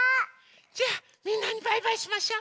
じゃあみんなにバイバイしましょ！